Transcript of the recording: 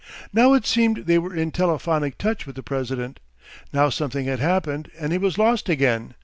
Now it seemed they were in telephonic touch with the President; now something had happened and he was lost again.